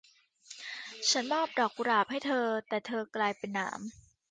ฉับมอบดอกกุหลาบให้เธอ แต่เธอกลายเป็นหนาม